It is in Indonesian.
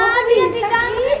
ya allah kok bisa ki